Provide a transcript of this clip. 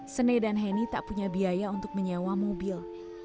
sene dan heni tak punya biaya untuk menyewa mobil